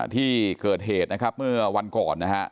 ที่เกิดเหตุนะครับเมื่อวันก่อนนะฮะ